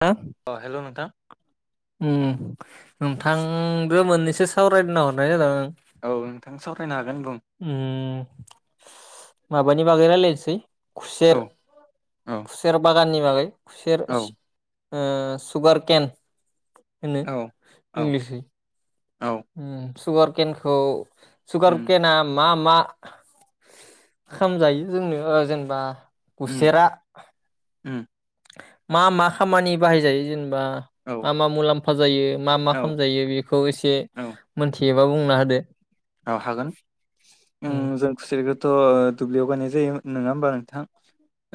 [unintelligible] उम अ हेल' नोंथां नोंथांदो मोननैसो सावरायनो हरनाय जादों। औ नोंथां [unintelligible] रायनो [unintelligible] उम [unintelligible] [unintelligible] बागै रायलायनिसै खुसेर औ औ खुसेर [unintelligible] [unintelligible] बागै खुसेर औ [unintelligible] ओ सुगार केन होननो औ औ इंग्लिसै औ उम सुगार केनखौ उम सुगारकेना मा मा खामजायो जोंनो जेनेबा उम खुसेेरा उम मा मा खामानि बाहायजायो जोंनि औ मा मा मुलाम्फा जायो मा मा औ खालामायो बेखौ एसे औ मोनथियो। माबा बुंना होदो औ हागोन उम ओं जों खुसेर [unintelligible] थ' दुब्लियाव गायनाय जायोमोन नङा होमबा नोंथां?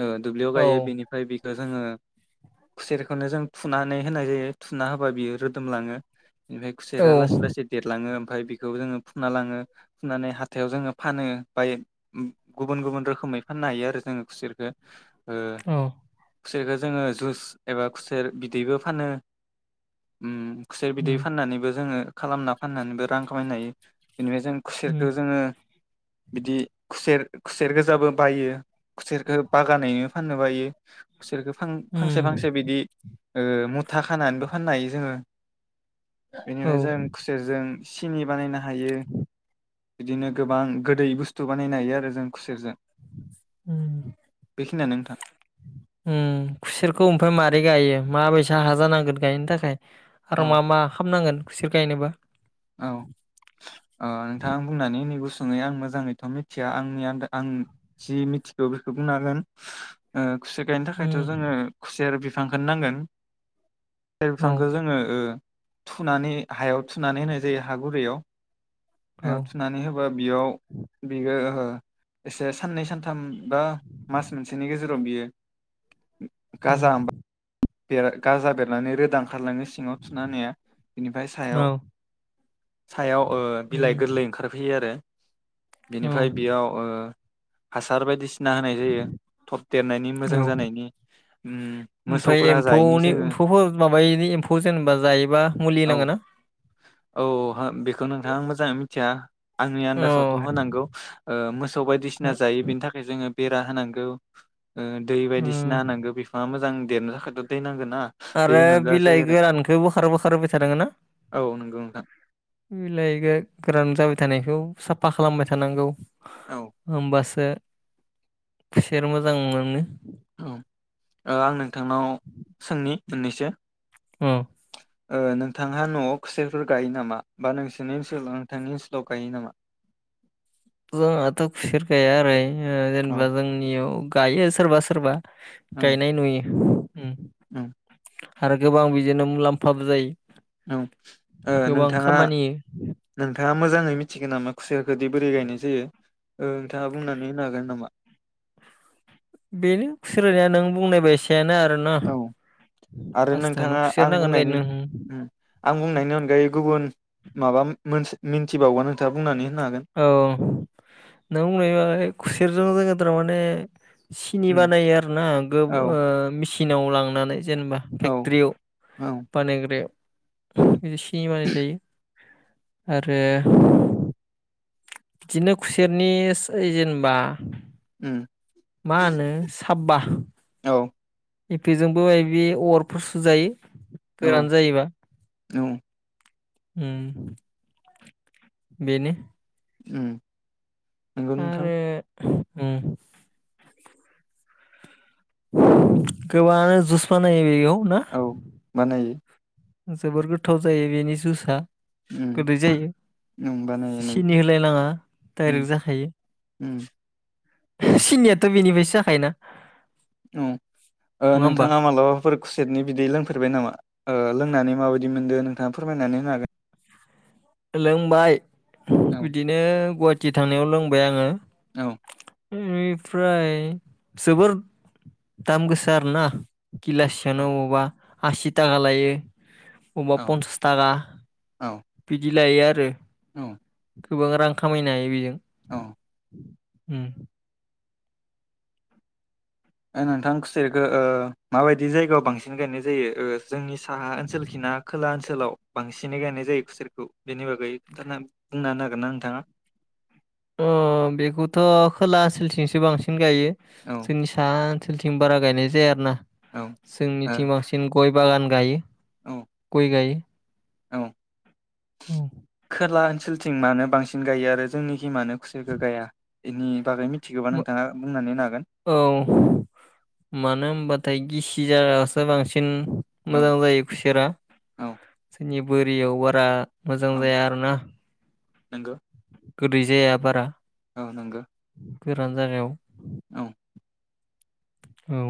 ओ दुब्लियाव औ गायो बेनिफ्राय [unintelligible] [unintelligible] जोङो खुसेरखौनो जों थुनानै होनाय जायो थुना होबा बियो रोदोमलाङो। ओमफ्राय औ खुसेरा लासै लासै देरलाङो। ओमफ्राय बिखौ जोङो फुना लाङो फुनानै हाथायाव जोङो फानो बाय गुबुन गुबुन रोखोमै फाननो हायो आरो जोङो खुसेरखो औ खुसेरखौ जोङो जुइस एबा खुसेर बिदैबो फानो। खुसेर बिदै उम फाननानैबो जोंङो खालामना फाननानैबो रां खामायनो हायो। बेनिफ्राय जों उम खुसेरखौ जोंङो बिदि खुसेर खुसेर गोजाबो बायो खुसेरखो बागानैनो फाननो हायो। खुसेरखो उम फां-फांसे-फांसे बिदि ओ मुथा खानानैबो फाननो हायो जोंङो। औ बेनिफ्राय जों खुसेरजों चिनि बानायनो हायो बिदिनो गोबां गोदै बुस्थु बानायनो हायो आरो जों खुसेरजों। औ बेखिनियानो नोंथां अम खुसेरखौ ओमफ्राय माबारै गायो माबाय सा हा जानांगोन गायनो थाखाय आरो मा औ मा खामनांगोन खुसेर गायनोबा औ ओ नोंथाङा बुंनानै नै गुसुङै आं मोजाङैथ' मिथिया आंनि आन आं जि मिथिगौ बेखौ बुंनां होगोन। खुसेर गायनो थाखायथ' उम जोंङो खुसेर बि फांखोनो नांगोन खुसेर औ बिफांखौ जोंङो थुनानै हायाव थुनानै होनाय जायो हा गुरैयाव औ हायाव थुनानै होबा बेयाव बियो ओ एसे साननै सानथाम बा मास मोनसेनि गेजेराव बियो गाजा उम बेर गाजा बेरनानै रोदा ओं खारलाङो सिङाव थुना होनाया बिनिफ्राय औ सायाव सायाव ओ बिलाइ उम गोरलै ओंखारफैयो आरो औ बेनिफ्राय बेयाव ओ हासार बायदि सिना होनाय जायो थब देरनायनि मोजां औ जानायनि अम मोसौ ओमफ्राय एम्फौनि एम्फौफोर माबायिनि एम्फौ जेनेबा जायोबा मुलि औ होनांगोनना औ हा बेखौ नोंथां आं मोजाङै मिथिया आंनि आन्दाजावथ' औ होनांगौ ओ मोसौ बायदिसिना जायो बेनि थाखाय जोंङो बेरा होनांगौ ओ दै बायदिसिना उम होनांगौ बिफाङा मोजां देरनो थाखाय दै नांगोन। ना दै आरो होनांगोआ जायो बिलाइ आरो गोरानखोबो बोखार बोखार होबाय थानांगो ना औ नंगौ नोंथां बिलाइ गो गोरान जाबाय थानायखौ साफा खालामबाय थानांगौ। औ उमबासो खुसेर मोजां मोनो। औ आं नोंथांनाव सोंनि मोननैसो अ ओ नोंथांहा न'आव खुसेरफोर गायो नामा बा नोंसोरनि ओनसोलाव नोंथांनि ओनसोलाव गायो नामा? ओ जोंहाथ' खुसेर गाया ओरै ओ औ जेनेबा जोंनियाव गायो सोरबा सोर सोरबा गायनाय नुयो। उम उम आरो गोबां बिदिनो मुलाम्फाबो जायो। औ ओ गोबां नोंथाङा खामानि होयो। नोंथाङा मोजाङै मिथिगो नामा? खुसेरखोदि बोरै गायनाय जायो ओ नोंथाङा बुंनानै होनो हागोन नामा? बेनो खुसेर गायनाया नों बुंनायबायस औ आरो फार्स्टआवनो नोंथाङा खुसेर आं नांगोन बुंनायनि गायनो उम आं बुंनायनि अनगायै गुबुन माबा मोन मोनस मिन्थिबावगोन नोंथाङा बुंनानै होनो हागोन औ नों बुंनाय खुसेरजों जोङो फोराव माने सिनि उम बानायो आरो ना गोब औ ओ मिसि सिनाव लांनानै जेनेबा औ फेक्ट्रियाव औ बानायग्राया उम बिदि सिनि बानाय जायो। आरो बिदिनो खुसेरनि सो जेनेबा उम मा होनो साबा औ एफेजोंबो बे अरफोर सुजायो औ गोरान जायोबा औ उम बेनो उम नंगौ नोंथां आरो उम गोबांङानो जुस बानायो बेखौ औ बानायो जोबोर गोथाव जायो बेनि जुसआ उम गोदै जायो उम बानायो नंगौ सिनि होलायनाङा उम डाइरेक्ट जाखायो उम सिनियाथ' बेनिफायसो जाखायोना औ नङा होमबा नोंथाङा मालाबाफोर कुसेतनि बिदै लोंफेरबाय नामा ओ लोंनानै माबायदि मोनदो नोंथाङा फोरमायनानै होनो हागोन? लोंबाय औ बिदिनो गुवाहाटि थांनायाव लोंबाय आङो। औ [unintelligible] बेनिफ्राय जोबोर दाम गोसा आरोना किलासेयानो औ अबावबा आसि थाखा लायो। अबबा औ पन्सास थाखा। औ बिदि लायो आरो। औ। गोबां रां खामायनो हायो बेजों। औ हम ओ नोंथां खुसेरखो ओ माबायदि जायगायाव बांसिन गायनाय जायो ओ जोंनि साहा ओनसोलखिनाा खोला ओनसोलाव। बांसिनै गायनाय जायो खुसेरखौ बेनि बागै दाना बुंना होन नागिरनाा नोंथाङा। अ बेखौथ' खोला ओनसोलथिंसो बांसिन गायो। औ जोंनि साहा ओनसोलथिं बारा गायनाय जाया आरो ना औ ओ जोंनिथिं बांसिन गय बागान गायो। औ गय गायो। औ औ खोला ओन सोलथिं मानो बांसिन गायो आरो जोंनिखि मानो खुसिखौ गाया बेनि बागै मि औ मानो होनबाथाय गिस इजागायावसो बांसिन औ मोजां जायो खुसेरा औ जोंनि बोरियाव बारा मोजां औ जाया आरो ना नंगौ गोदै जाया बारा औ नोंगो गोरान जागायाव औ औ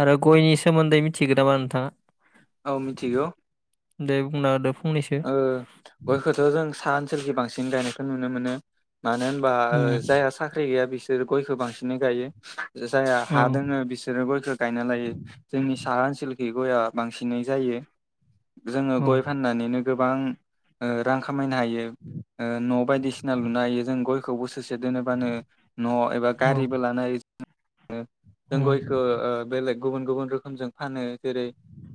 आरो गयनि सोमोन्दै मिथिगोन नामा नोंथाङा औ मिथिगौ। दे बुंना होदो। फंनैसो ओ गयखौथ' जों साहा ओनसोलखि बांसिन गायनायखौ नुनो मोनो। मानो होनबा उम जायहा साख्रि गैया बिसोर बिसोर गयखौ बांसिनै गायो। जायहा औ हा दोङो बिसोरो गयखौ गायना लायो जोंनि साहा ओनसोल बे गयआ बांसिनै जायो। जोङो औ गय फाननानैनो गोबां ओ रां खामायनो हायो ओ न' बायदिसिना लुनो हायो जों गयखौबो ससे दोनबानो न' एबा औ गारिबो लानाय जों उम गयखौ ओ बेलेग गुबुन गुबुन रोखोमजों फानो जेरै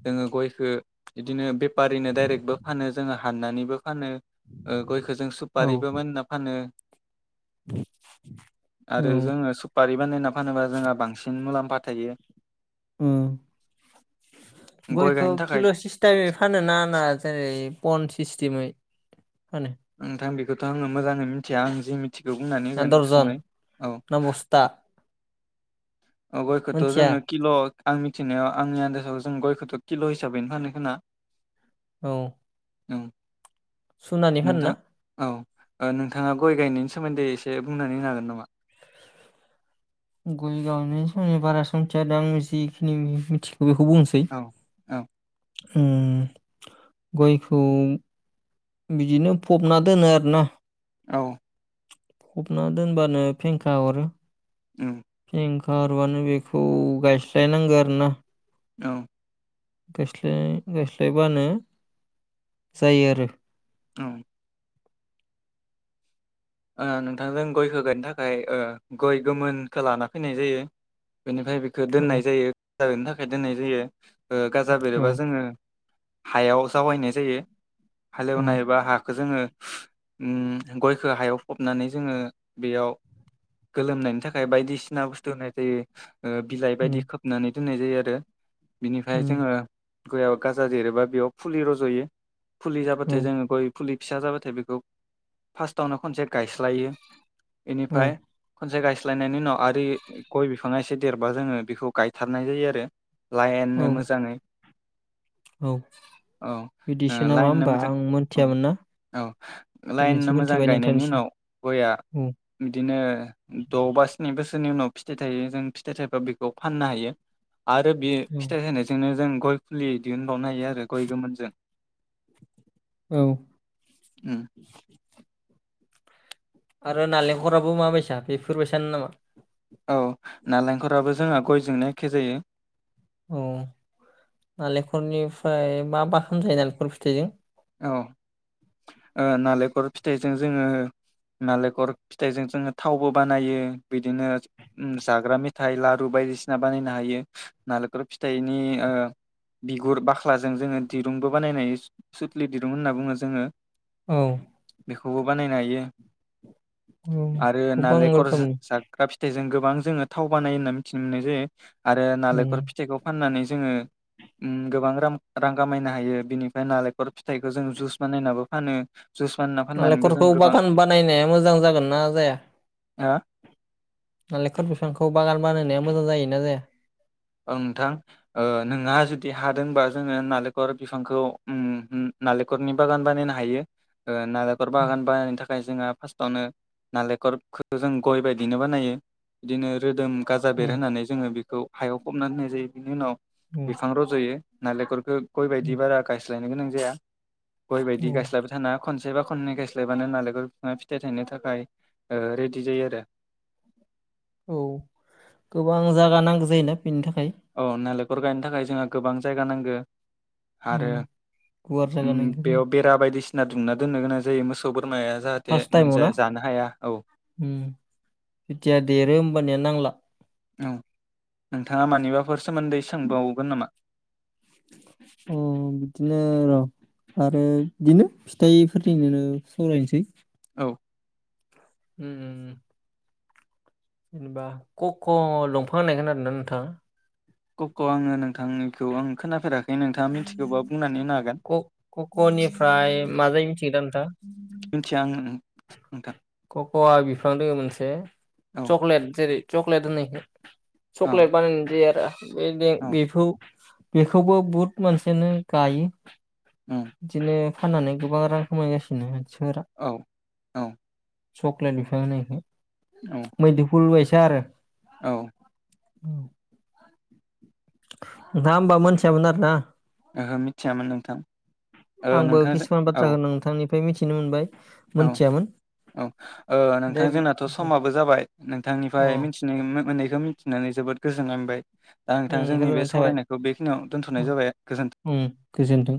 जोङो गयखौ बिदिनो बेफारिनो दाइरेक्टबो फानो जोङो हाननानैबो फानो। ओ गयखौ जों औ सुपारिबोमोन होनना फानो। औ आरो जोङो सुपारि बानायना फानोबा जोंहा बांसिन मुलाम्फा थायो। उम गय गयखौ गायनो थाखाय किल' सिसटेमै फानो ना ना जेरै फन सिस्टेमै फानो? नोंथां बेखौथ' आङो मोजाङै मिथिया आं जिंनिथि थिखौ बुंनानै ना होगोन दर्जन गुसुङै औ। ना बस्था गयखोथ' मोनथिया जोङो किल' आं मिथिनायाव आंनि आन्दाजाव जों गयखौथ' किल' हिसाबैनो फानो खोना? औ। ओं। सुनानै फानोना? ओ नोंथाङा गय गायनायनि सोमोन्दै एसे बुंनानै होनो हागोन नामा? गय गायनायनि सोमोन्दै बारा सथिया दै आङो जिखिनि मिथि बेखौ बुंनोसै। औ औ उम गयखौ बिदिनो फबना दोनो आरोना। औ। फबना दोनबानो फेंखा अरो। उम। फेंखा अरबानो बेखौ गायस्लायनांगो आरोना। औ गायस्लाय गायस्लायबानो जायो आरो औ ओ नोंथांजों गयखो गायनो थाखाय ओ गय गोमोनखो लाना फैनाय जायो। बेनिफ्राय बेखौ औ दोननाय जायो। [inaudible] थाखाय दोननाय जायो। ओ गाजा औ बेरोबा जोङो हायाव जावायनाय जायो। औ हालेवनायबा हाखौ जोङो उम गयखो हायाव फबनानै जोङो बेयाव गोलोमनायनि थाखाय बायदिसिना बुस्थु होनाय जायो। ओ बिलाइ उम बायदि खोबनानै दोननाय जायो आरो। बिनिफ्राय उम जोङो गयाव गाजा देरोबा बेयाव फुलि रज'यो। फुलि जाबाथाय औ जोङो गय फुलि फिसा जाबाथाय बेखौ फार्स्टावनो खनसे गास्लायो औ बेनिफ्राय खनसे गायस्ल स्लायनायनि उनाव आरि गय बिफाङा एसे देरबा जोङो बेखौ गायथारनाय जायो आरो। औ लाइननो मोजाङै औ औ बिदिसो ओ नामा लाइननो होमबा मोजां आं औ मोनथियामोन ना औ दिनैसो मोनथिबाय नोंथांनिसिम गयआ औ बिदिनो द' बा स्नि बोसोरनि उनाव फिथाइ थायो जों फिथाइ थाइब्ला बेखौ फाननो हायो। आरो बे औ फिथाइ थायनायजोंनो जों गय फुलि बिदिनो खावनो हायो आरो गय गोमोन जों। औ उम आरो नालेंखराबो माबायसा बेफोरबायसानो नामा? औ नालेंखराबो जोंहा गयजोंनो एखे जायो। औ नालेंखरनिफ्राय मा मा खालामोथाय नालेंखर फिथाइजों? औ ओ नालेंखर फिथाइजों जोङो नालेंखर फिथाइजों जोङो थावबो बानायो। बिदिनो ओम जाग्रा मेथाइ, लारु बायदिसिना बानायनो हायो। नालेंखर फिथाइनि ओ बिगुर बाख्लाजों जोङो दिरुंबो बानायनो हायो सुथलि दिरदोंमोन होनना बुङो जोङो। औ बेखौबो बानायनो हायो। औ आरो गोबां नालेंखर रोखोमनि जाग्रा फि बेजों गोबां जोङो थाव बानाय होनना मिथिनो मोननाय जायो। आरो उम नालेंखर फिथाइखौ फाननानै जोङो ओ गोबां रां रां खामायनो हायो बिनिफ्राय नालें खर फिथाइखौ जों जुस बानायनाबो फानो। जुस बानायना फाननानैबो नालेंखरखौ जों गोबां बागान बानायनाया मोजां जागोन ना जाया? हा नालेंखर बिफांखौ बागान बानायनाया मोजां जायो ना जाया? ओं नोंथां ओ नोंहा जुदि हादोंबा जोङो नालेंखर बिफांखौ ओम ओ नालेंखरनि बागान बानायनो हायो। ओ नारेंखल बागान बानायनो थाखाय जोंहा फार्स्टआवनो नालेंखरखौ जों गय बायदिनो बानायो बिदिनो रोदोम गाजा बेर उम होनानै जोङो बेखौ फबनाय होननाय जायो बिनि उनाव उम बिफां रज'यो। नालेंखरखौ गय बायदि उम बारा गाय सायनो गोनां जाया गयबायायदि औ गायस्लायबा थानाङा। खन बा खननै गाययस्लायबानो नालेंखल बिफिङा फिथाइ थायनो थाखाय रेडि जायो आरो। औ गोबां जागा नांगौ जायो ना फैनो थाखाय खर गायनो थाखाय जोंहा गोबां जायगा नांगौ आरो उम गुवार जागा ओम नांगौ जायो। बेयाव बेरा बायदिसि ना दुमना दोनन गोनां जायो मोसौ बोर फार्स्ट टाइमाव नो औ ओम जेथिया देरो होमबानिया नांला। औ नोंथाङा मानिबाफोर सोमोन्दै सोंबावगोन नामा? अ बिदिनो र' आरो बिदिनो फिथाइफोरनिनो सावरायसै। औ उ जेनेबा क'क' दंफां होननाय खोनादों ना नोंथाङा क'क'' आङो नोंथांनिखौ आं खोनाफेरा क क क'निफ्राय मा जायो मिथिगोना नोंथां। मिथिया आं नोंथां कक'आ बिफां दङ मोनसे औ चकलेट जेरै चकलेट होनो एखो औ चक्लेट बानायनाय जायो आरो औ बे-बे-बेखौ बेखौबो बुहुत मानसियानो गायो उम बिदिनो फाननानै गोबां रां खामायगासिनो। सोर औ औ सक्लेटनिफ्रायनो [unintelligible] औ [unintelligible] औ। उ नोंथाङा होमबा मोनथियामोन आरोना। ओहो मिथियामोन नोंथां। ओ आंबो नोंथांजों किसुमान औ बाथ्रा नोंथांनि फ्राय मिथिनो मोनबाय। औ मोनथियामोन औ ओ नोंथां दे बि जोंनाथ' समाबो जाबाय नोंथांनिफ्राय अ मिथिनो मोननैखौ मिथिनानै जोबोद गोजोननाय मोनबाय। दा नोंथां उम जोंनि बे गोजोननाय थाबाय सावरायनायखौ बेखिनियाव दोनथ'नाय अ जाबाय गोजोनथों। उम गोजोनथों।